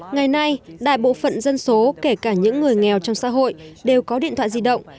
ngày nay đại bộ phận dân số kể cả những người nghèo trong xã hội đều có điện thoại di động